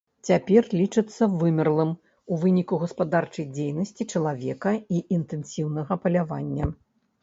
Цяпер лічыцца вымерлым ў выніку гаспадарчай дзейнасці чалавека і інтэнсіўнага палявання.